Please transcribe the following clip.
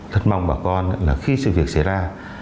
rất mong bà con khi sự việc xảy ra